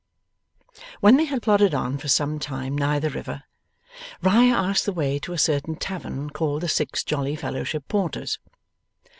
When they had plodded on for some time nigh the river, Riah asked the way to a certain tavern called the Six Jolly Fellowship Porters.